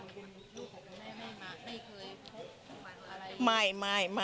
แต่ว่าทำลูกของแม่ไม่เคยพบหัวของอะไร